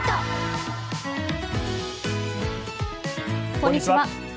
こんにちは。